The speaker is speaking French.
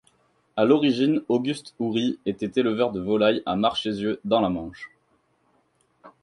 À l'origine, Auguste Ourry était éleveur de volailles à Marchésieux dans la Manche.